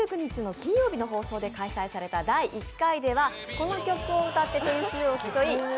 火曜日の放送で開催された第１回では、この曲を歌って点数を競い。